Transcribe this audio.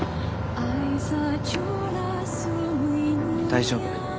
大丈夫。